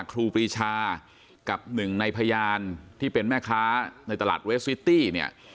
ครูปรีชากับหนึ่งในพยานที่เป็นแม่ค้าในตลาดเวสซิตี้เนี่ย